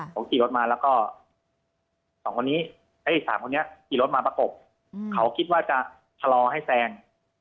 เขาขี่รถมาแล้วก็สามคนนี้ขี่รถมาประกบเขาคิดว่าจะทะลอให้แซง